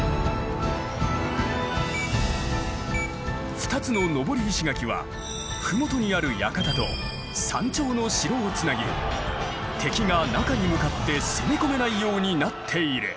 ２つの登り石垣は麓にある館と山頂の城をつなぎ敵が中に向かって攻め込めないようになっている。